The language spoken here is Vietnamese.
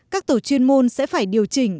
các tổ chuyên môn sẽ phải điều chỉnh